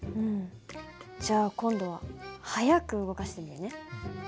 じゃあ今度は速く動かしてみるね。